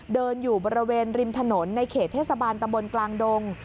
เดินอยู่บริเวณริมถนนในเขตเทศบาลตำบลกลางดง